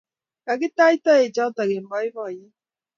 kikitach toichoto eng boiboiyet